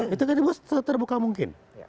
itu jadi terbuka mungkin